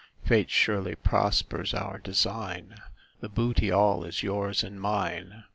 Fate surely prospers our design The booty all is yours and mine."